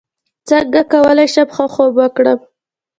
څنګه کولی شم ښه خوب وکړم